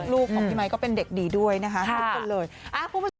ลูกของพี่มัยก็เป็นเด็กดีด้วยนะคะ